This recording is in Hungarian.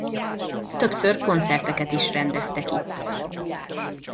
Többször koncerteket is rendeztek itt.